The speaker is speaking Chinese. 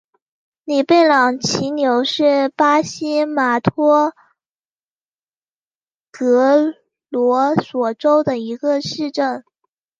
里贝朗齐纽是巴西马托格罗索州的一个市镇。